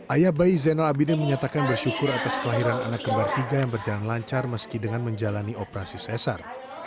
ayah bayi zainal abidin menyatakan bersyukur atas kelahiran anak kembar tiga yang berjalan lancar meski dengan menjalani operasi sesar